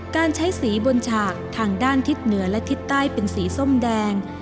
การใช้สีบนฉากทางด้านทิศเหนือและทิศใต้เป็นสีส้มแดง